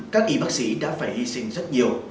các y bác sĩ đã phải hy sinh rất nhiều